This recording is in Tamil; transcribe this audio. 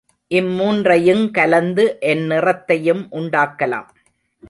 இம்மூன்றையுங் கலந்து எந்நிறத்தையும் உண்டாக்கலாம்.